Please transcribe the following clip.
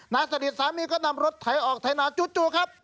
นาศริริสต์สามีก็นำรถไถออกใทนาจู่จู่ครับ